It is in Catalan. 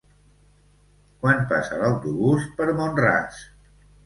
Quan passa l'autobús per Mont-ras?